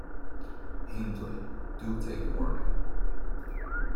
Hindley, do take warning.